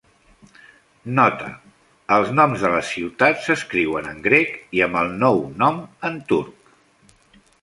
Nota: els noms de les ciutats s'escriuen en grec i amb el nou nom en turc.